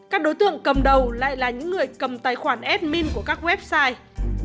các đối tượng cầm đầu lại là những người cầm tài khoản admin của các website